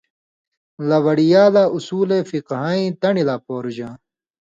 لہ وڑیا لا اُصول فِقہَیں تَن٘ڈیۡ لا پورُژاں؛